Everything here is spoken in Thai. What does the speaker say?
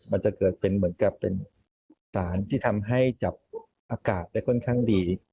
มันจะเกิดเป็นเหมือนกับเป็นสารที่ทำให้จับอากาศได้ค่อนข้างดี